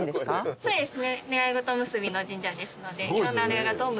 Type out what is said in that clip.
そうですね。